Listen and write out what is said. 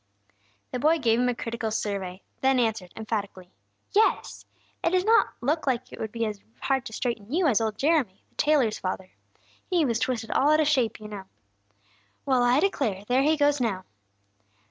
The boy gave him a critical survey, and then answered, emphatically, "Yes! It really does not look like it would be as hard to straighten you as old Jeremy, the tailor's father. He was twisted all out of shape, you know. Well, I'll declare! There he goes now!"